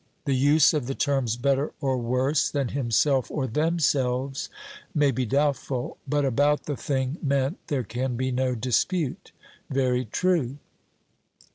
The use of the terms 'better or worse than himself or themselves' may be doubtful, but about the thing meant there can be no dispute. 'Very true.'